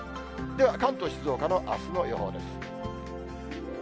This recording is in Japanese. では関東、静岡のあすの予報です。